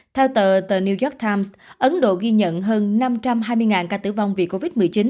theo tờ tờ new york times ấn độ ghi nhận hơn năm trăm hai mươi ca tử vong vì covid một mươi chín